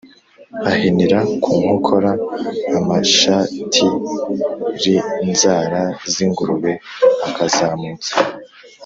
Ahinira ku nkokora amashatiInzara z'ingurube akazumutsa,